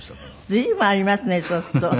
随分ありますねちょっと。